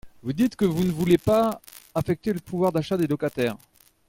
Vous dites que vous ne voulez pas affecter le pouvoir d’achat des locataires.